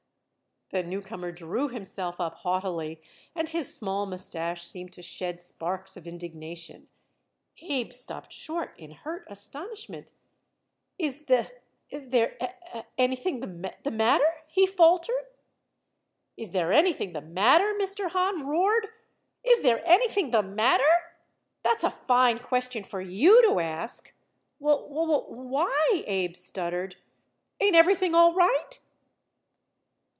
The newcomer drew himself up haughtily, and his small mustache seemed to shed sparks of indignation. Abe stopped short in hurt astonishment. "Is th there a anything the matter?" he faltered. "Is there anything the matter!" Mr. Hahn roared. "Is there anything the matter! That's a fine question for you to ask." "W w why?" Abe stuttered. "Ain't everything all right?"